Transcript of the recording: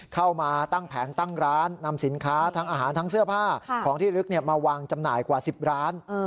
เข้ามาตั้งแผงตั้งร้านนำสินค้าทั้งอาหารทั้งเสื้อผ้าของที่ลึกมาวางจำหน่ายกว่า๑๐ร้าน